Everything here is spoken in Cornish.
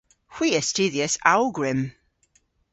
Hwi a studhyas awgwrym.